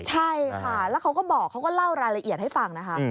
ใช่ค่ะแล้วเขาก็บอกเขาก็เล่ารายละเอียดให้ฟังนะคะ